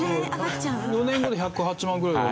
４年後で１０８万ぐらいだから。